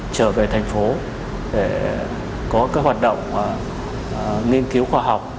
trở về thành phố để có các hoạt động nghiên cứu khoa học